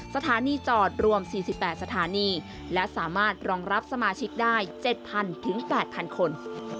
สถานีจอดรวม๔๘สถานีและสามารถรองรับสมาชิกได้๗๐๐๘๐๐คน